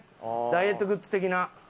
ダイエットグッズ的な。